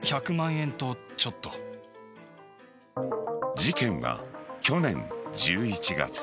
事件は去年１１月。